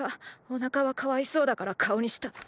“お腹はかわいそうだから顔にした”。